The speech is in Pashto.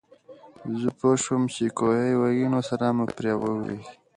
زۀ پوهه شوم چې کوهے وهي نو سلام مو پرې ووې